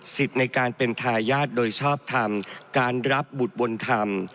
สิทธิ์ในการเป็นทายาทโดยชอบธรรมการรับบุตรวนธรรม